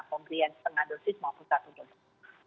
pemberian setengah dosis maupun satu dosis